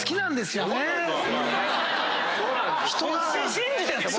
信じてんすよ